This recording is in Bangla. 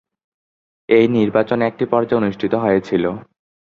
এই নির্বাচন একটি পর্যায়ে অনুষ্ঠিত হয়েছিল।